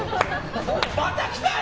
また来たよ！